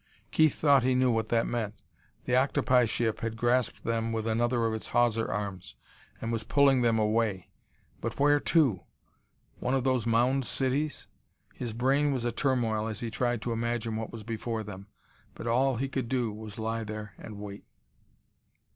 Keith thought he knew what that meant. The octopi ship had grasped them with another of its hawser arms, and was pulling them away. But where to? One of those mound cities? His brain was a turmoil as he tried to imagine what was before them. But all he could do was lie there and wait.